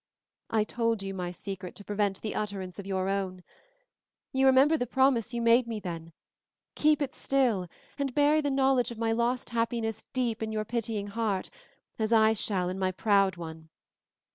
I told you my secret to prevent the utterance of your own. You remember the promise you made me then, keep it still, and bury the knowledge of my lost happiness deep in your pitying heart, as I shall in my proud one.